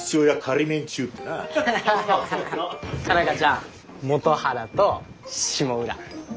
佳奈花ちゃん本原と下浦。